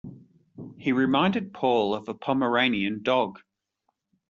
He reminded Paul of a pomeranian dog.